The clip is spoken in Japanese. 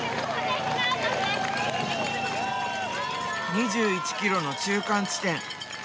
２１ｋｍの中間地点。